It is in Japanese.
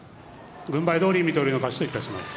軍配どおり水戸龍の勝ちといたします。